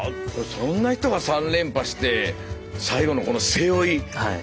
そんな人が３連覇して最後のこの背負い。